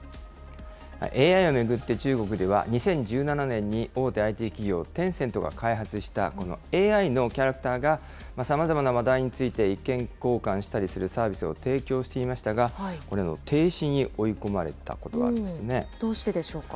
ＡＩを巡って中国では、２０１７年に大手ＩＴ企業テンセントが開発した、このＡＩのキャラクターが、さまざまな話題について意見交換したりするサービスを提供していましたが、これ、停止に追い込まれたことがあるんでどうしてでしょうか。